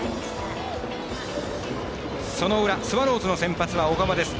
その裏、スワローズの先発は小川です。